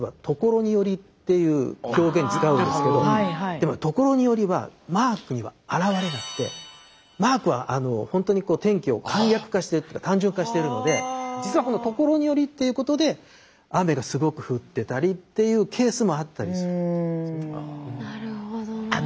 でも「ところにより」はマークには表れなくてマークはほんとに天気を簡略化してる単純化してるので実はこの「ところにより」っていうことで雨がすごく降ってたりっていうケースもあったりするんですよね。